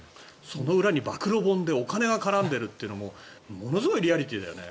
その裏に暴露本でお金が絡んでいるっていうのもものすごいリアリティーだよね。